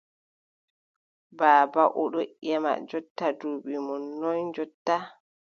Baaba, o ɗon ƴema jonta duuɓi mon noy jonta ?